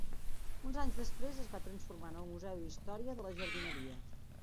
Uns anys després es va transformar en el Museu d'Història de la Jardineria.